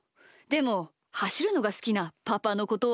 でもはしるのがすきなパパのことは？